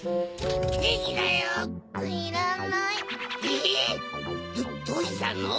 えっ⁉どうしたの？